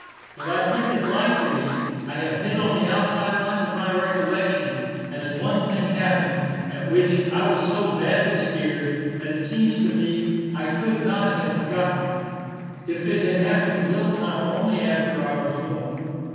But I think it likely, I have hit on the outside line of my recollection; as one thing happened at which I was so badly scared, that it seems to me I could not have forgotten it, if it had happened a little time only after I was born.